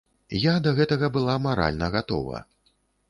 Я да гэтага была маральна гатова.